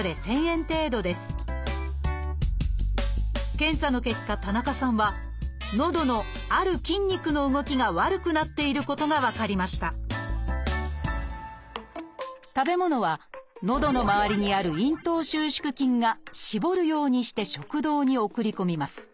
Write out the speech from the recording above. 検査の結果田中さんはのどのある筋肉の動きが悪くなっていることが分かりました食べ物はのどの周りにある「咽頭収縮筋」が絞るようにして食道に送り込みます。